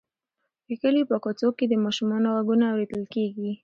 د کلي په کوڅو کې د ماشومانو غږونه اورېدل کېږي.